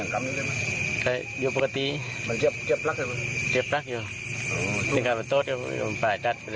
ค่ะ